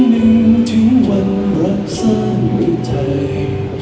แค่หนึ่งที่วันรักสร้างในใจ